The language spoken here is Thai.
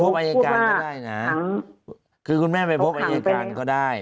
อายการก็ได้นะคือคุณแม่ไปพบอายการก็ได้